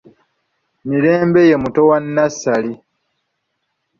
Mirembe ye muto wa Nassali.